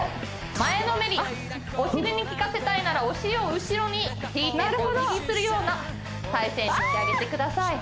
前のめりお尻に効かせたいならお尻を後ろに引いてお辞儀するような体勢にしてあげてください